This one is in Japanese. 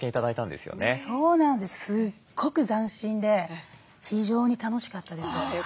すっごく斬新で非常に楽しかったです。